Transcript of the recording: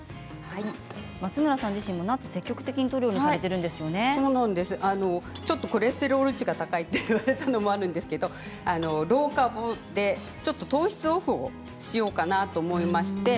松村さん自身もナッツを積極的にとるようにちょっとコレステロール値が高いと言われたのもあるんですが老化防止で糖質オフをしようと思いまして。